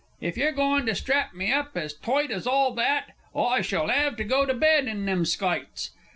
If you're goin' to strap me up as toight as all that, I shell 'ave to go to bed in them skites!...